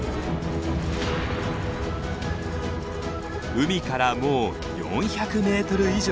海からもう４００メートル以上。